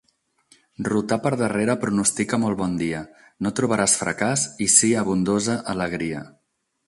Rotar per darrere pronostica molt bon dia; no trobaràs fracàs, i sí abundosa alegria.